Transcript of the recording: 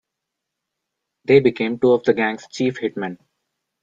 They became two of the gang's chief hitmen.